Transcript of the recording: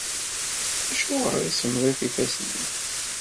Acuɣer i semmḍit yifassen-im?